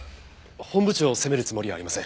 本部長を責めるつもりはありません。